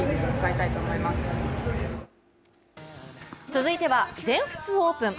続いては全仏オープン。